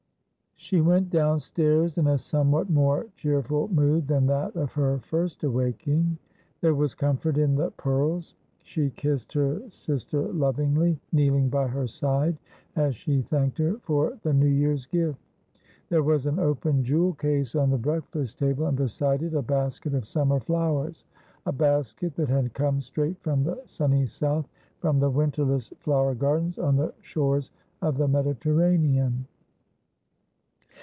She went downstairs in a somewhat more cheerful mood than that of her first awaking. There was comfort in the pearls. She kissed her sister lovingly, kneeling by her side as she thanked her for the New Year's gift. There was an open jewel case on the breakfast table, and beside it a basket of summer flowers — a basket that had come straight from the sunny south, from the winterless flower gardens on the shores of the Mediterranean.